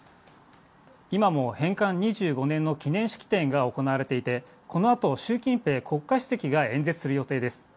今も返還２５年の記念式典が行われていて、この後、シュウ・キンペイ国家主席が演説する予定です。